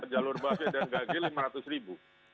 jalur bahagia dan gagil lima ratus ribu